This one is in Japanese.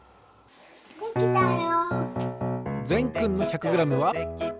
できたよ！